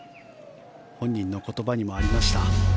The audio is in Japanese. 本人の言葉にもありました